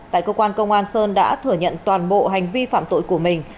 tại cơ quan công an sơn đã thừa nhận toàn bộ hành vi phạm tội của mình